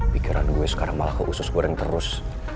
pikiran gue sekarang malah keusus gue yang terus